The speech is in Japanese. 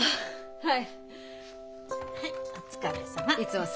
はい。